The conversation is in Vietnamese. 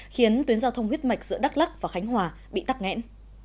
khiến tuyến giao thông huyết mạch giữa đắk lắc và khánh hòa bị tắt nghẽn